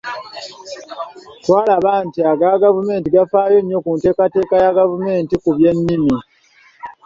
Twalaba nti aga gavumenti gafaayo nnyo ku nteekateeka ya gavumenti ku by’ennimi.